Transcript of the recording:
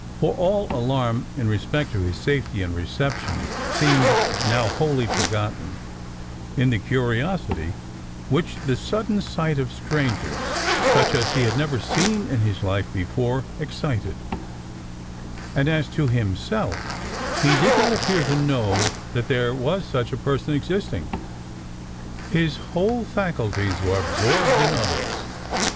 For all alarm in respect to his safety and reception seemed now wholly forgotten, in the curiosity which the sudden sight of strangers such as he had never seen in his life before, excited: and as to himself, he did not appear to know there was such a person existing: his whole faculties were absorbed in others.